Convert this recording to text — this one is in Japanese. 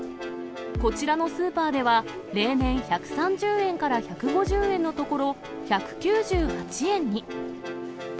こちらのスーパーでは、例年１３０円から１５０円のところ、１９８円に。